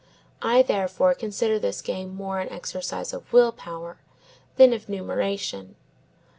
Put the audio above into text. I therefore consider this game more an exercise of will power than of numeration.